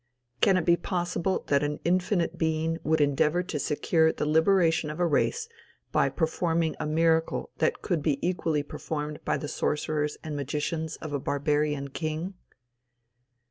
Can it be possible that an infinite being would endeavor to secure the liberation of a race by performing a miracle that could be equally performed by the sorcerers and magicians of a barbarian king?